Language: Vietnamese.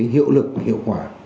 hiệu lực hiệu quả